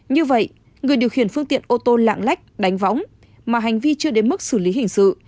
như vậy người điều khiển phương tiện ô tô lạng lách đánh võng mà hành vi chưa đến mức xử lý hình sự